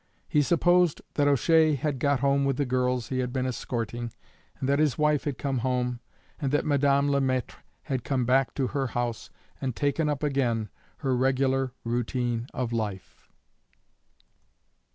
He supposed that O'Shea had got home with the girls he had been escorting, and that his wife had come home, and that Madame Le Maître had come back to her house and taken up again her regular routine of life.